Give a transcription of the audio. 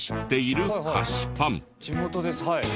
地元ですはい。